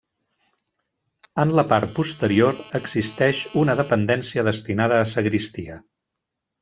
En la part posterior existeix una dependència destinada a sagristia.